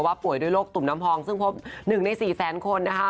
ว่าป่วยโรคตุ่มน้ำพองซึ่งพบ๑ใน๔๐๐๐๐๐คน